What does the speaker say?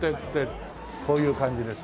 こういう感じですよ。